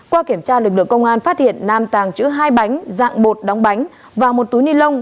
qua kiểm tra lực lượng công an phát hiện nam tàng chữ hai bánh dạng bột đóng bánh và một túi nilon